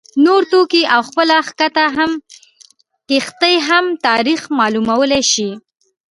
نور توکي او خپله کښتۍ هم تاریخ معلومولای شي